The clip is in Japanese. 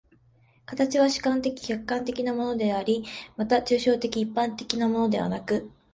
形は主観的・客観的なものであり、また抽象的一般的なものでなく、